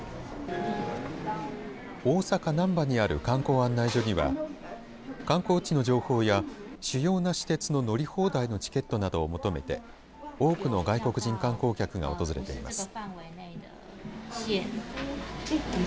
大阪、難波にある観光案内所には観光地の情報や主要な私鉄の乗り放題のチケットなどを求めて多くの外国人観光客が訪れています。